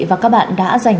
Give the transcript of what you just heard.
và các bạn đã dành